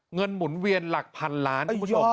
เงินหมุนเวียนหลักพันล้าน